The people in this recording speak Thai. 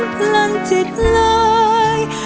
พลังจิตลาย